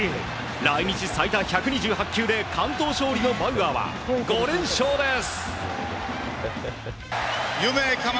来日最多１２８球で完投勝利のバウアーは５連勝です。